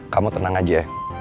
kamu tenang aja ya